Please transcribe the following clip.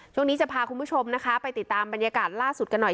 ช่วงนี้จะพาคุณผู้ชมนะคะไปติดตามบรรยากาศล่าสุดกันหน่อย